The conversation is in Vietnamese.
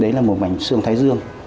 đấy là một mảnh sương thái dương